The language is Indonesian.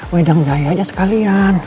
wedang jaya aja sekalian